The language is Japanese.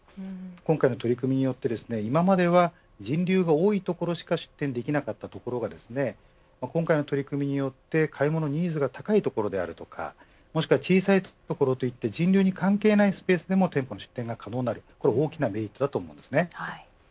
今回の取り組みによって今までは人流が多い所しか出店できなかったところが今回の取り組みで買い物のニーズが高い所であるとか小さいところといった人流に関係ないスペースでも展開が可能になるのは大きなメリットです。